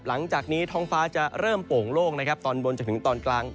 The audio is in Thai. หลังจากนี้ท้องฟ้าจะเริ่มโป่งโล่งนะครับตอนบนจนถึงตอนกลาง